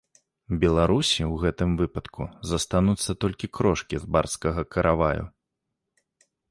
Беларусі ў гэтым выпадку застануцца толькі крошкі з барскага караваю.